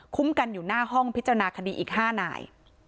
กันอยู่หน้าห้องพิจารณาคดีอีก๕นาย